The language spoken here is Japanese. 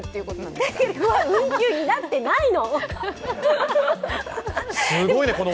だけど運休になってないの！